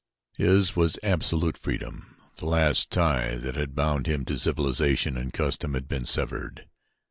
His was absolute freedom the last tie that had bound him to civilization and custom had been severed.